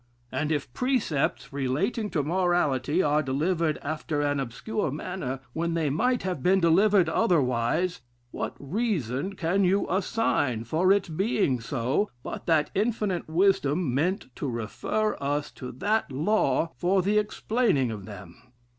And if precepts relating to morality are delivered after an obscure manner, when they might have been delivered otherwise; what reason can you assign, for its being so, but that infinite wisdom meant to refer us to that law for the explaining them?